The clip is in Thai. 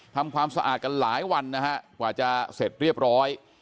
ทำความสะอาดกันหลายวันนะฮะกว่าจะเสร็จเรียบร้อย